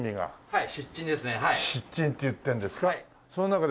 はい。